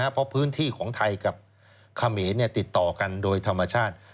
เพราะพื้นที่ของไทยกับเขมรติดต่อกันโดยธรรมชาติ